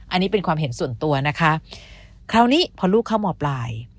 อันนี้เป็นความเห็นส่วนตัวนะคะคราวนี้พอลูกเข้ามปลาย